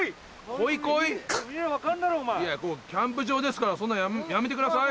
ここキャンプ場ですからやめてください。